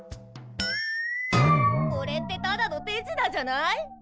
これってただの手品じゃない？